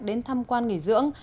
đến thăm quan nghỉ dưỡng